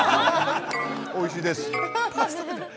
おいしいです。